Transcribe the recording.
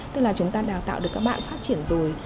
tức là chúng ta đào tạo được các bạn phát triển rồi